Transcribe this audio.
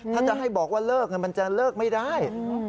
ถ้าจะให้บอกว่าเลิกมันจะเลิกไม่ได้